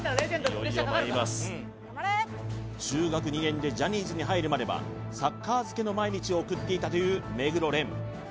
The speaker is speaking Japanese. いよいよまいります中学２年でジャニーズに入るまではサッカー漬けの毎日を送っていたという目黒蓮